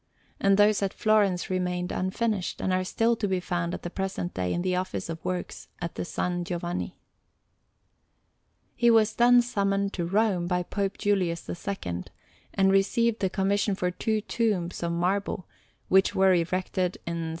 And those at Florence remained unfinished, and are still to be found at the present day in the Office of Works of the said S. Giovanni. He was then summoned to Rome by Pope Julius II, and received the commission for two tombs of marble, which were erected in S.